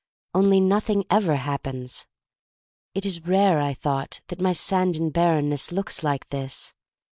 Only nothing ever hap pens. It is rare, I thought, that my sand and barrenness looks like this.